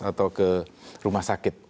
atau ke rumah sakit